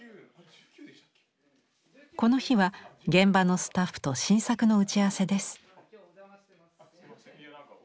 この日は現場のスタッフと新作の打ち合わせです。